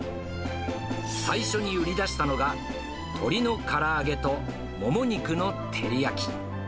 最初に売り出したのが、鶏のから揚げと、もも肉の照り焼き。